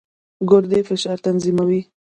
ګردې فشار تنظیموي.